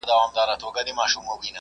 سم نیت باور نه کموي.